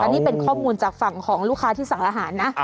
อันนี้เป็นข้อมูลจากฝั่งของลูกค้าที่สั่งอาหารนะ